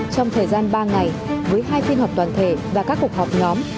trong thời gian ba ngày với hai phiên họp toàn thể và các cuộc họp nhóm